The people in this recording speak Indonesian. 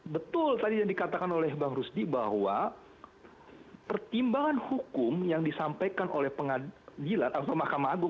betul tadi yang dikatakan oleh bang rusdi bahwa pertimbangan hukum yang disampaikan oleh pengadilan atau mahkamah agung